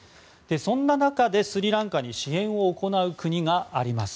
そんな中で、スリランカに支援を行う国があります。